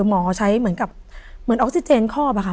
หมอใช้เหมือนกับเหมือนออกซิเจนครอบอะค่ะ